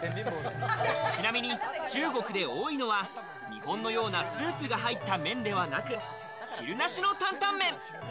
ちなみに中国で多いのは、日本のようなスープが入った麺ではなく、汁なしの担々麺。